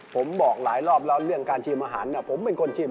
ผมบอกหลายรอบแล้วเรื่องการชิมอาหารผมเป็นคนชิม